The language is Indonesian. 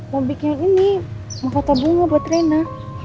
mau bikin ini mahkota bunga buat rena